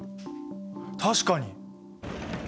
確かに！